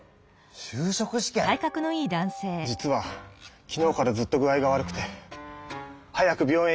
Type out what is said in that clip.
しゅうしょく試験⁉実は昨日からずっと具合が悪くて早く病院へ行きたいんです。